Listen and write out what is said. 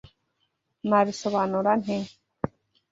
Nabisobanura nte?